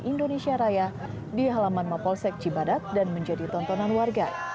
indonesia raya di halaman mapolsek cibadat dan menjadi tontonan warga